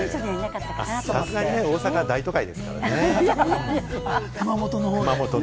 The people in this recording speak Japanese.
さすがに大阪は大都会ですか熊本はね。